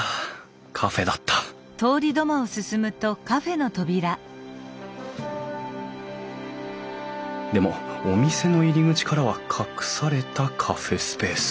カフェだったでもお店の入り口からは隠されたカフェスペース。